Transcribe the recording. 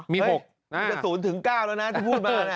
เฮ้ยมีนุ่ะ๐ถึง๙นะอันนั้นคุณพูดมา